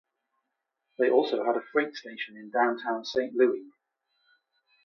They also had a freight station in downtown Saint Louis.